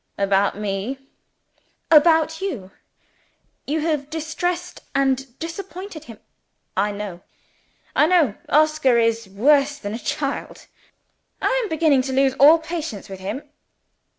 "About me?" "About you. You have distressed and disappointed him " "I know! I know! Oscar is worse than a child. I am beginning to lose all patience with him."